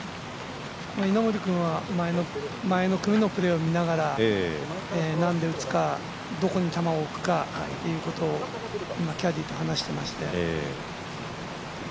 稲森君は前の組のプレーを見ながら何で打つか、どこに球を置くかっていうことを今、キャディーと話していました。